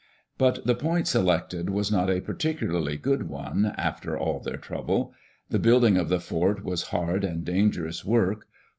But the point selected was not a particularly good one, after all their trouble. The building of the fort was hard and dangerous work.